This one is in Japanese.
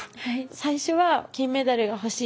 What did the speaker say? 最初は金メダルが欲しい。